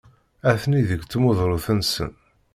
Atni deg tmudrut-nsen.